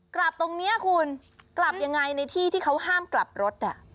กลับตรงนี้คุณกลับยังไงในที่ที่เขาห้ามกลับรถ